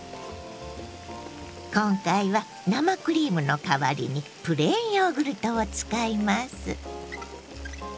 今回は生クリームのかわりにプレーンヨーグルトを使います。